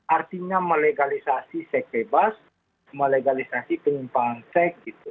artinya melegalisasi seks bebas melegalisasi penyimpangan seks